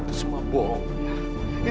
itu semua bohong lia